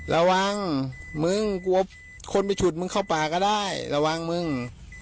ระวังมึงกลัวคนไปฉุดมึงเข้าป่าก็ได้ระวังมึง